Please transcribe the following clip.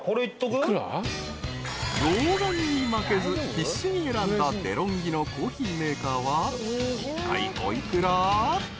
［老眼に負けず必死に選んだデロンギのコーヒーメーカーはいったいお幾ら？］